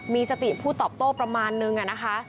มีสติพูดตอบโต้ประมาณนึงนะคะ